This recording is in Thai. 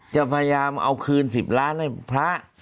จะพยายามเอาคืน๑๐ล้านให้พระ